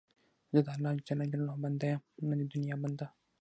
زه د الله جل جلاله بنده یم، نه د دنیا بنده.